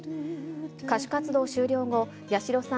歌手活動終了後、八代さん